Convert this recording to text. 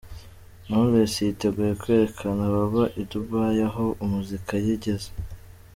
Knowless yiteguye kwereka ababa i Dubai aho muzika ye igeze.